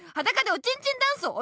おちんちんダンス？